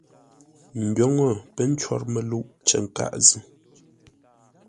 Ndwoŋə pə̌ ncwor məluʼ cər nkâʼ zʉ́.